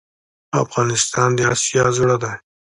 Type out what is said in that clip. افغانستان د اسیا زړه ده